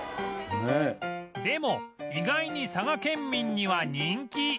でも意外に佐賀県民には人気